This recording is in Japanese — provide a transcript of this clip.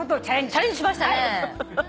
チャレンジしましたね。